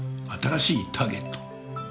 新しいターゲット？